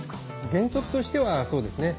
原則としてはそうですね。